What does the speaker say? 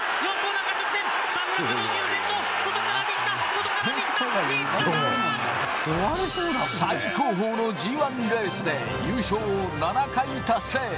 中直線、外から新田、最高峰のＧＩレースで優勝を７回達成。